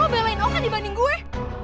lo belain oka dibanding gue